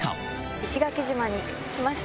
石垣島に来ました。